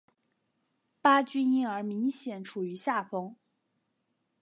巴军因而明显处于下风。